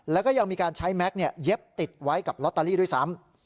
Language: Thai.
แล้วก็ยังมีการใช้แม็กซ์เย็บติดไว้กับลอตเตอรี่ด้วยซ้ำ